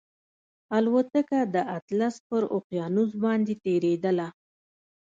الوتکه د اطلس پر اقیانوس باندې تېرېدله